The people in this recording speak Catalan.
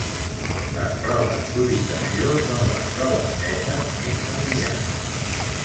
Les proves d'ubicació són les proves "Z" més familiars.